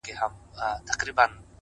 • سیاه پوسي ده، خُم چپه پروت دی،